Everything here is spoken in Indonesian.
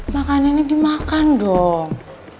makanannya dimakan dong